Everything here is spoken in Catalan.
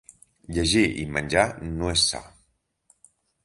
Llegir i menjar no és sa.